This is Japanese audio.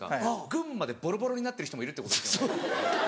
群馬でボロボロになってる人もいるってことですよね？